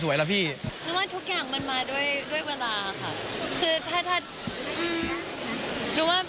ไม่ได้พอดูโปรขนาดนั้น